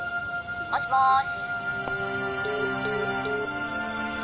もしもーし？」